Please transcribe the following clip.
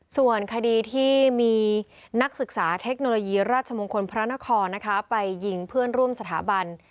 ส่วนคดีที่มีนักศึกษาเทคโนโลยีราชมงคลพระนครไปยิงเพื่อนร่วมสถาบัน